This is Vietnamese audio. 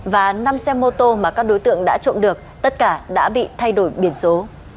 và năm xe mô tô mà các đối tượng đã trộm được tất cả đã bị thay đổi biển số